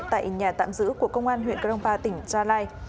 tại nhà tạm giữ của công an huyện grongpa tp đắk lắc